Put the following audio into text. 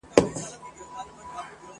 د نارينه د جسماني لوړتابه